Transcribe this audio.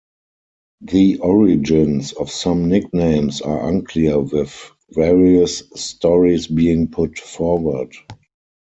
The origins of some nicknames are unclear with various stories being put forward.